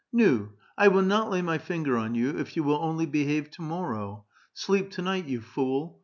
*' Nu! 1 will not lay my finger on .you if you will only behave to morrow. Sleep to night, you fool!